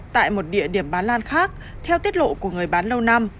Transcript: tại một địa điểm bán lan khác theo tiết lộ của người bán lâu năm